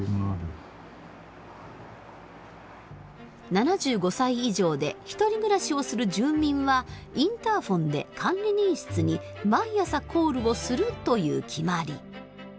７５歳以上でひとり暮らしをする住民はインターフォンで管理人室に毎朝コールをするという決まり。